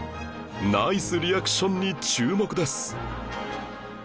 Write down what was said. ナイスリアクションに注目です！